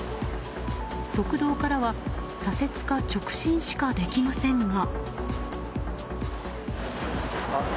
側道からは左折か直進しかできませんが。